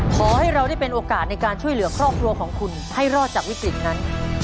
ขอให้เราได้เป็นโอกาสในการช่วยเหลือครอบครัวของคุณให้รอดจากวิกฤตนั้น